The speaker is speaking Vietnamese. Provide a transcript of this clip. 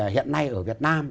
hiện nay ở việt nam